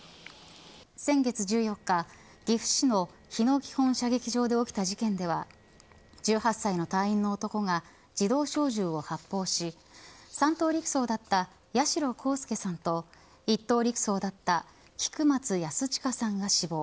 先月１４日、岐阜市の日野基本射撃場で起きた事件では１８歳の隊員の男が自動小銃を発砲し３等陸曹だった八代航佑さんと１等陸曹だった菊松安親さんが死亡。